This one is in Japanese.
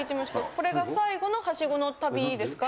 これが最後のハシゴの旅ですか？